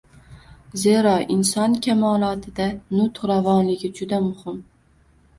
Zero, inson kamolotida nutq ravonligi juda muhim.